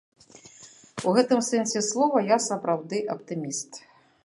У гэтым сэнсе слова я сапраўды аптыміст.